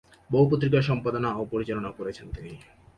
বহু পত্রিকা সম্পাদনা ও পরিচালনা করেছেন তিনি।